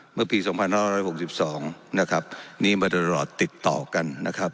เมื่อปี๒๑๖๒นี่มันติดต่อกัน